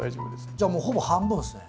じゃあもうほぼ半分ですね。